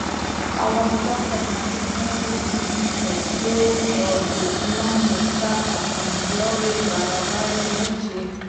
افغانستان تر هغو نه ابادیږي، ترڅو کوچیانو ته اسانتیاوې برابرې نشي.